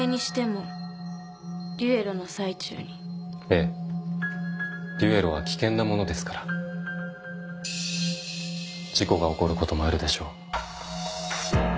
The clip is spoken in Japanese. ええ決闘は危険なものですから事故が起こることもあるでしょう。